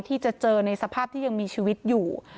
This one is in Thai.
ที่จะเจอในสภาพที่ยังมีชีวิตอยู่